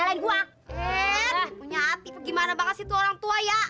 sampai jumpa di video selanjutnya